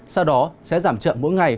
sau đó sẽ giảm chậm mỗi ngày